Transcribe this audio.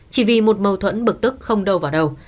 chỉ vì một mâu thuẫn bực tức không đâu vào đâu